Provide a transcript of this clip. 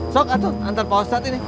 sok atau antar pak ustadz ini